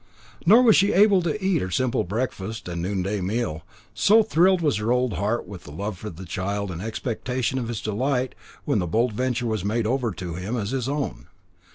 Nor was she able to eat her simple breakfast and noonday meal, so thrilled was her old heart with love for the child and expectation of his delight when the Bold Venture was made over to him as his own.